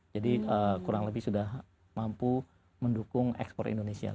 jadi kurang lebih sudah mampu mendukung ekspor indonesia